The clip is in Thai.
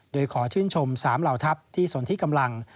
โดยขอชื่นชม๓เหล่าทัพที่สนที่กำลัง